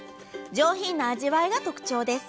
上品な味わいが特徴です。